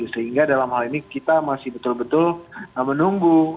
sehingga dalam hal ini kita masih betul betul menunggu